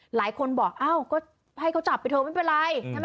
หลายคนบอกอ้าวก็ให้เขาจับไปเถอะไม่เป็นไร